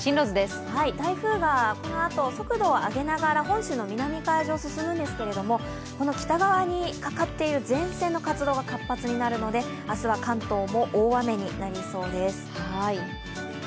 台風がこのあと速度を上げながら本州の南海上を進むんですけどこの北側にかかっている前線の活動が活発になるので明日は関東も大雨になりそうです。